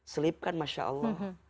selipkan masya allah